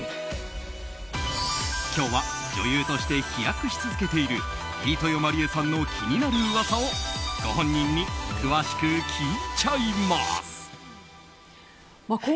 今日は、女優として飛躍し続けている飯豊まりえさんの気になる噂をご本人に詳しく聞いちゃいます！